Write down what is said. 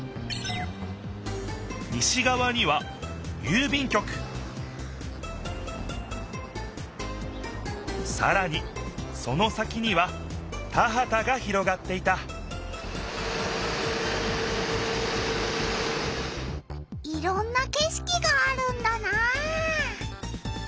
西がわには郵便局さらにその先には田はたが広がっていたいろんなけしきがあるんだなあ。